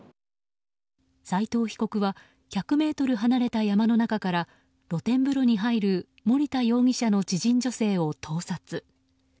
斉藤被告は１００ｍ離れた山の中から露天風呂に入る森田容疑者の知人女性を盗撮。